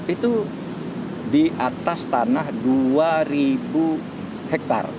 itu di atas tanah dua ribu hektare